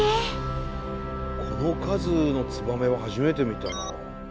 この数のツバメは初めて見たなあ。